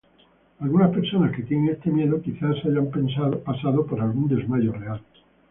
Algunas personas que tienen este miedo, quizás hayan pasado por algún desmayo real.